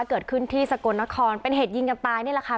เกิดขึ้นที่สกลนครเป็นเหตุยิงกันตายนี่แหละค่ะ